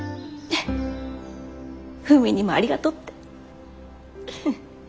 フーミンにもありがとうって。